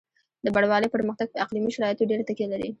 د بڼوالۍ پرمختګ په اقلیمي شرایطو ډېره تکیه لري.